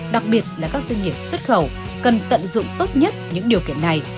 đặc biệt là các doanh nghiệp xuất khẩu cần tận dụng tốt nhất những điều kiện này